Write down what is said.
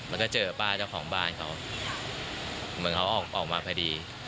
มันก็เจอป้าเจ้าของบ้านเขาเหมือนเขาออกมาพอดี